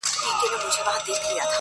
دا کاڼي د غضب یوازي زموږ پر کلي اوري-